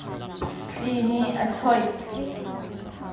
Thli nih a chawih.